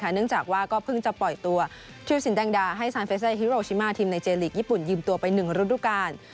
เนื่องจากว่าก็เพิ่งจะปล่อยตัวธิรสินแดงดาให้ซานเฟสฮิโรชิมาทีมในเจลีกญี่ปุ่นยืมตัวไป๑ฤดูกาล